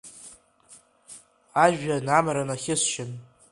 Ажәҩан амра нахьысшьын…